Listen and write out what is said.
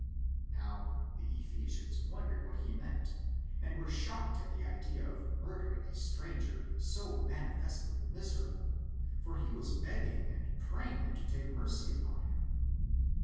Now the Ephesians wondered what he meant, and were shocked at the idea of murdering a stranger 80 manifestly miserable ; for he was begging and praying them to take mercy upon him.